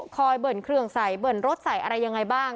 คอยเบิร์นเครื่องใสเบิร์นรถใสอะไรยังไงบ้าง